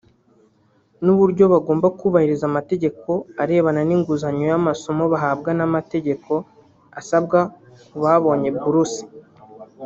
n’uburyo bagomba kubahiriza amategeko arebana n’ inguzanyo y’amasomo bahabwa n’amategeko asabwa ku babonye buruse